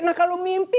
nah kalau mimpi